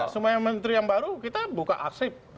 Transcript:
sama menteri yang baru kita buka aksrip